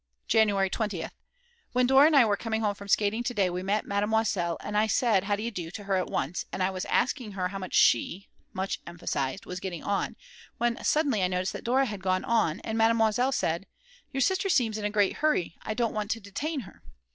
January 20th. When Dora and I were coming home from skating to day we met Mademoiselle, and I said how d'you do to her at once, and I was asking her how she (much emphasised) was getting on, when suddenly I noticed that Dora had gone on, and Mademoiselle said: "Your sister seems in a great hurry, I don't want to detain her."